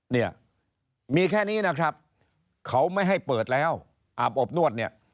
เนี่ยมีแค่นี้นะครับเขาไม่ให้เปิดแล้วอาบอบนวดเนี่ย